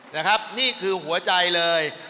นะครับนี่คือหัวใจเลย